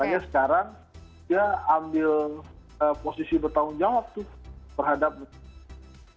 tapi sekarang dia ambil posisi bertanggung jawab tuh berhadap menteri